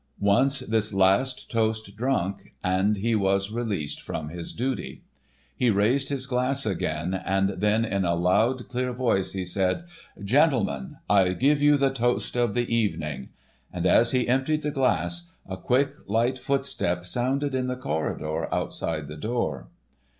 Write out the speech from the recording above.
Once this last toast drunk and he was released from his duty: He raised his glass again, and then in a loud clear voice he said: "Gentlemen, I give you the toast of the evening." And as he emptied the glass, a quick, light footstep sounded in the corridor outside the door.